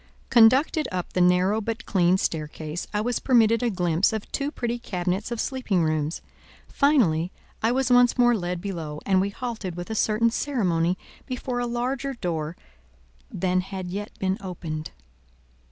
Conducted up the narrow but clean staircase, I was permitted a glimpse of two pretty cabinets of sleeping rooms; finally, I was once more led below, and we halted with a certain ceremony before a larger door than had yet been opened.